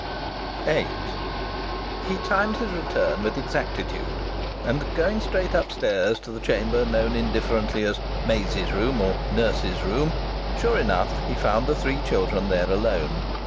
VIII He timed his return with exactitude, and, going straight upstairs to the chamber known indifferently as "Maisie's room" or "nurse's room," sure enough he found the three children there alone!